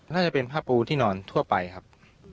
น่าจะเป็นผ้าปูที่นอนทั่วไปครับ